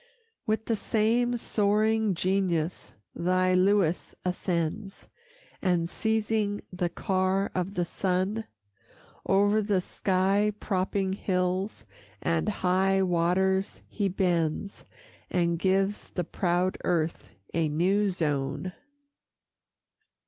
With the same soaring genius thy Lewis ascends, And, seizing the car of the sun, O'er the sky propping hills and high waters he bends, And gives the proud earth a new zone.